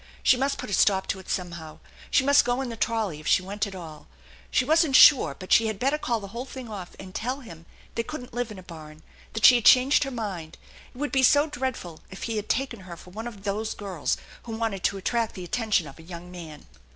She must put a stop to it somehow. She must go in the trolley if she went at all. She wasn't sure but she had better call the whole thing off and tell him they couldn't live in a barn, that she had changed her mind. It would be so dreadful if he had taken her for one of those girls who wanted to attract the attention of a young man